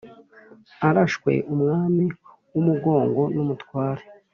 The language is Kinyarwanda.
arashwe umwami w’umugongo numutware.